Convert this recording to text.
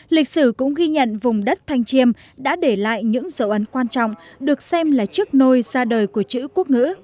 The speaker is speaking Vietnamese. lịch sử cũng ghi nhận vùng đất thanh chiêm đã để lại những dấu ấn quan trọng được xem là chiếc nôi ra đời của chữ quốc ngữ